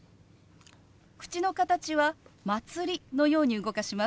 口の形は「まつり」のように動かします。